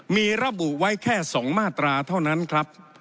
มีระบุไว้แค่๒มาตราเท่านั้นครับ